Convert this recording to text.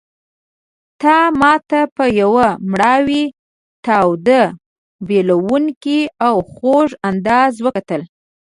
تا ماته په یو مړاوي تاوده بلوونکي او خوږ انداز وکتل.